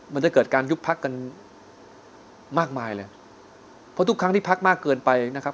มันจะเกิดการยุบพักกันมากมายเลยเพราะทุกครั้งที่พักมากเกินไปนะครับ